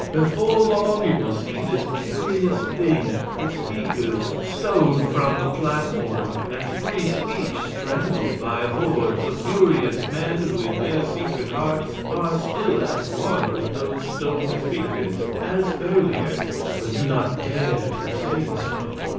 Before long you will see this curious thing: the speakers stoned from the platform, and free speech strangled by hordes of furious men who in their secret hearts are still at one with those stoned speakers as earlier but do not dare to say so.